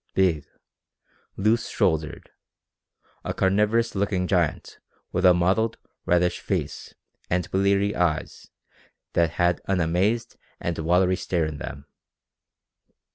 Big. Loose shouldered. A carnivorous looking giant with a mottled, reddish face and bleary eyes that had an amazed and watery stare in them.